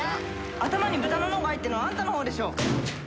頭に豚の脳が入ってんのはあんたの方でしょ。